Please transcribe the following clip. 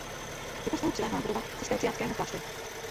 Ke kostelu přiléhá budova cisterciáckého kláštera.